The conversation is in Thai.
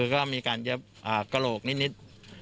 ก็มีการเย็บกระโหลกนิด